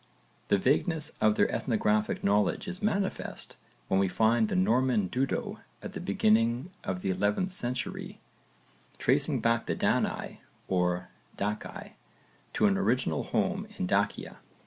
The vagueness of their ethnographical knowledge is manifest when we find the Norman Dudo at the beginning of the 11th century tracing back the Dani (or Daci) to an original home in Dacia.